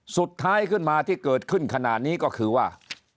สุดท้ายขึ้นมาที่เกิดขึ้นขณะนี้ก็คือว่า